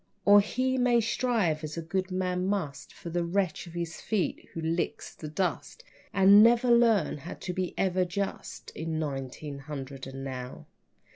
Or he may strive, as a good man must, For the wretch at his feet who licks the dust, And never learn how to be even just In nineteen hundred and now.